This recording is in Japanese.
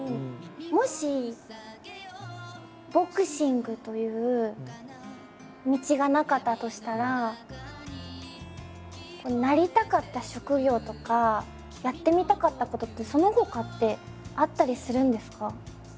もしボクシングという道がなかったとしたらなりたかった職業とかやってみたかったことってそのほかってあったりするんですか？